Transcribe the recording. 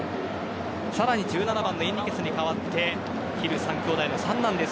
さらに１７番のエンリケスに代わってヒル３兄弟の三男です